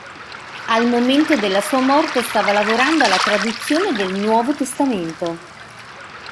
Al momento della sua morte stava lavorando alla traduzione del Nuovo Testamento.